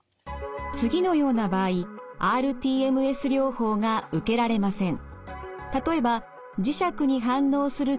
次のような場合ｒＴＭＳ療法が受けられません。